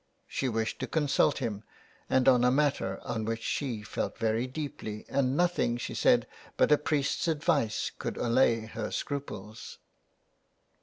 She wished to consult him, and on a matter on which she felt very deeply, and nothing, she said, but a priest's advice could allay her scruples.